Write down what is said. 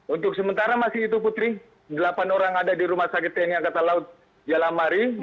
untuk sementara masih itu putri delapan orang ada di rumah sakit ini yang kata laut jalan mari